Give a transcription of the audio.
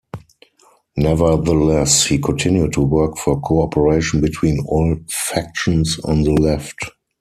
Nevertheless, he continued to work for cooperation between all factions on the left.